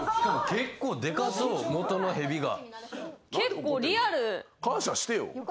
結構でかそう元のヘビが。